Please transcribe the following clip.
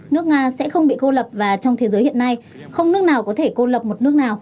nước nga sẽ không bị cô lập và trong thế giới hiện nay không nước nào có thể cô lập một nước nào